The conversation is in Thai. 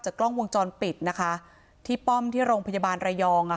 กล้องวงจรปิดนะคะที่ป้อมที่โรงพยาบาลระยองอ่ะ